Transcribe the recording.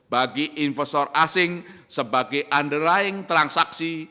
bagi investor asing sebagai underaiing transaksi